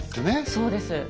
そうです。